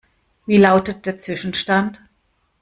Wie lautet der Zwischenstand?